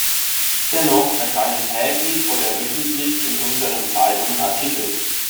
Dennoch erscheinen täglich oder wöchentlich in unseren Zeitungen Artikel.